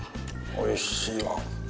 おいしいわ。